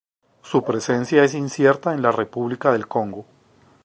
Su presencia es incierta en la República del Congo.